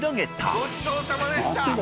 ごちそうさまでした。